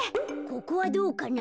ここはどうかな？